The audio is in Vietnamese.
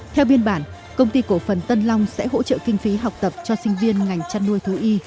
theo biên bản công ty cổ phần tân long sẽ hỗ trợ kinh phí học tập cho sinh viên ngành chăn nuôi thú y